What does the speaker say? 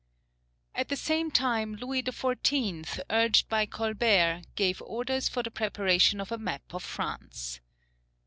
At the same time Louis XIV., urged by Colbert, gave orders for the preparation of a map of France.